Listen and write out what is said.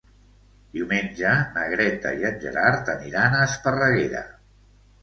Diumenge na Greta i en Gerard aniran a Esparreguera.